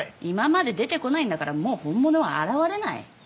今まで出てこないんだからもう本物は現れない。